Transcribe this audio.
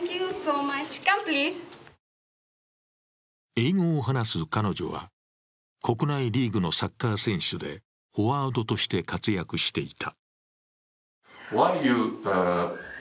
英語を話す彼女は、国内リーグのサッカー選手でフォワードとして活躍していた。